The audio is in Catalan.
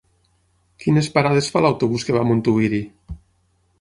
Quines parades fa l'autobús que va a Montuïri?